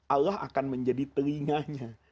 allah akan menjadi telinganya